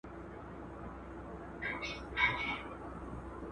که ته دا حجابونه وشکوې نو حقیقت به ومومې.